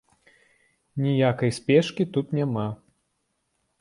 Ніякай спешкі тут няма.